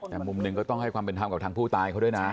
แต่มุมหนึ่งก็ต้องให้ความเป็นทำแบบกับหัวผู้ตายก็ด้วยน่ะ